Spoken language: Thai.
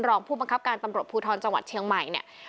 รองผู้บังคับการตำรวจภูทรจังหวัดเชียงใหม่เนี่ย